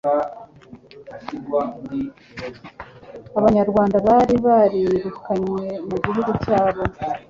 Abanyarwanda bari barirukanywe mu gihugu cyabo